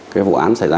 cái vụ án này là